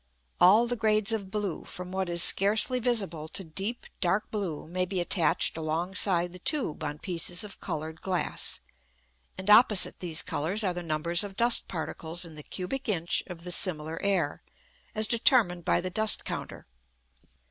All the grades of blue, from what is scarcely visible to deep, dark blue, may be attached alongside the tube on pieces of coloured glass; and opposite these colours are the numbers of dust particles in the cubic inch of the similar air, as determined by the dust counter.